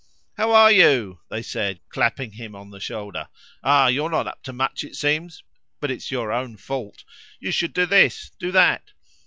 "How are you?" they said, clapping him on the shoulder. "Ah! you're not up to much, it seems, but it's your own fault. You should do this! do that!"